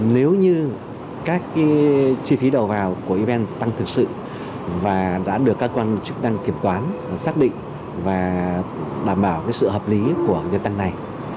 nếu như các chi phí đầu vào của evn tăng thực sự và đã được các quan chức đăng kiểm toán xác định và đảm bảo sự hợp lý của việc tăng này